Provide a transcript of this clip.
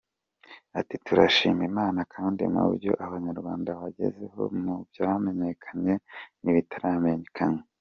Ati “Turashima Imana kandi mu byo Abanyarwanda bagezeho, mu byamenyekanye n’ibitaramenyekanye.